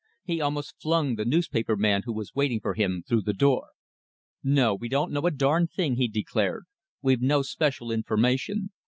He almost flung the newspaper man who was waiting for him through the door. "No, we don't know a darned thing," he declared. "We've no special information.